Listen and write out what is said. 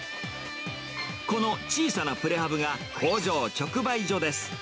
この小さなプレハブが、工場直売所です。